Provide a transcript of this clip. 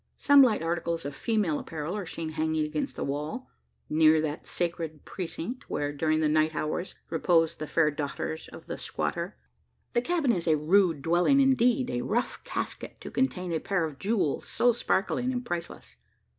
Some light articles of female apparel are seen hanging against the wall, near that sacred precinct where, during the the night hours, repose the fair daughters of the squatter. The cabin is a rude dwelling indeed a rough casket to contain a pair of jewels so sparkling and priceless.